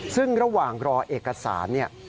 ซึ่งระหว่างรอเอกสารเนี่ย